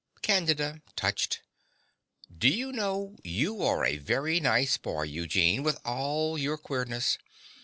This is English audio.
CANDIDA (touched). Do you know, you are a very nice boy, Eugene, with all your queerness.